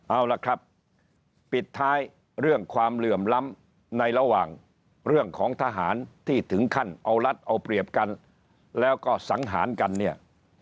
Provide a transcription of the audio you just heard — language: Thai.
เอาล่ะครับปิดท้ายเรื่องความเหลื่อมล้ำในระหว่างเรื่องของทหารที่ถึงขั้นเอารัฐเอาเปรียบกันแล้วก็สังหารกันเนี่ย